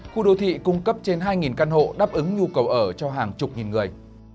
khu đô thị cung cấp trên hai căn hộ đáp ứng nhu cầu ở cho hàng chục nghìn người